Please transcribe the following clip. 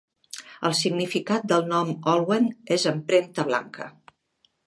El significat del nom Olwen és "empremta blanca".